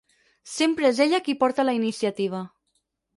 Sempre és ella qui porta la iniciativa.